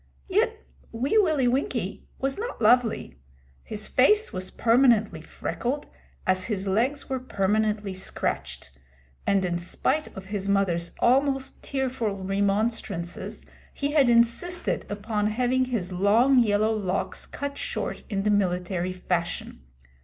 Yet Wee Willie Winkie was not lovely. His face was permanently freckled, as his legs were permanently scratched, and in spite of his mother's almost tearful remonstrances he had insisted upon having his long yellow locks cut short in the military fashion.